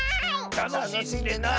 たのしんでない！